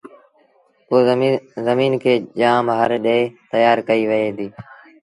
پو زميݩ کي جآم هر ڏي تيآر ڪئيٚ وهي ديٚ